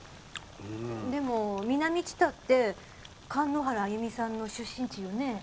でも南知多って神之原歩美さんの出身地よね？